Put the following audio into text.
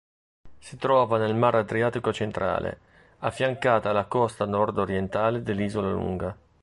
Si trova nel mar Adriatico centrale, affiancata alla costa nord-orientale dell'Isola Lunga.